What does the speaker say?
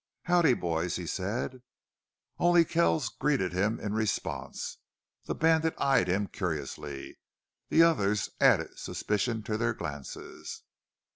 "Howdy boys!" he said. Only Kells greeted him in response. The bandit eyed him curiously. The others added suspicion to their glances.